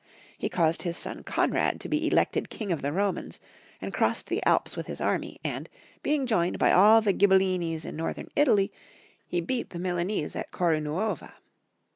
He caused his son Konrad to be elected King of the Romans, and crossed the Alps with his army, and, being joined by all the Ghibellines in Northern Italy, he beat the Milanese at Corunuova.